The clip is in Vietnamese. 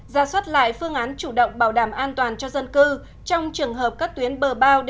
ra soát lại phương án chủ động bảo đảm an toàn cho dân cư trong trường hợp các tuyến bờ bao